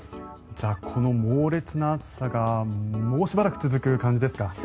じゃあ、この猛烈な暑さがもうしばらく続く感じですか？